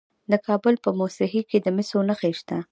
د کابل په موسهي کې د مسو نښې شته.